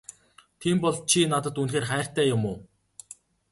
Тийм бол чи надад үнэхээр хайртай юм уу?